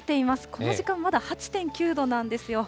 この時間、まだ８．９度なんですよ。